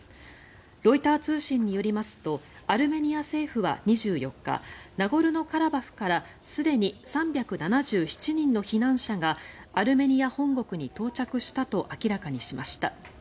ロイター通信によりますとアルメニア政府は２４日ナゴルノカラバフからすでに３７７人の避難者がアルメニア本国に到着したと明らかにしました。